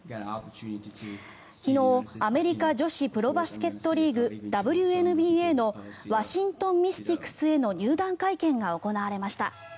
昨日、アメリカ女子プロバスケットボールリーグＷＮＢＡのワシントン・ミスティクスへの入団会見が行われました。